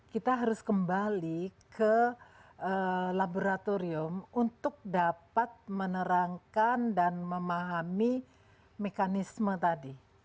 kita harus kembali ke laboratorium untuk dapat menerangkan dan memahami mekanisme tadi